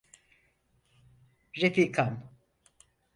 Refikam.